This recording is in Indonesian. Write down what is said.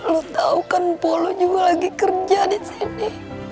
lu tau kan polo juga lagi kerja disini